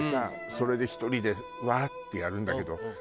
それで１人で「わぁ」ってやるんだけど。